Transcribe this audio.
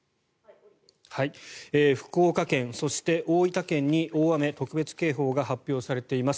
福岡県、そして大分県に大雨特別警報が発表されています。